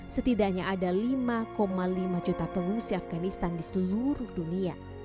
setidaknya ada lima lima juta pengungsi afganistan di seluruh dunia